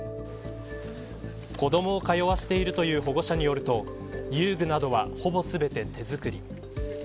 子どもを通わせているという保護者によると遊具などは、ほぼ全て手作り。